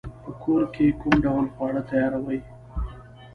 په کور کی کوم ډول خواړه تیاروئ؟